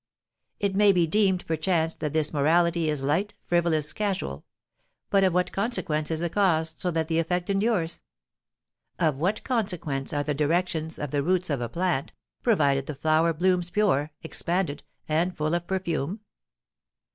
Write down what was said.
It may be deemed, perchance, that this morality is light, frivolous, casual; but of what consequence is the cause, so that the effect endures? Of what consequence are the directions of the roots of a plant, provided the flower blooms pure, expanded, and full of perfume?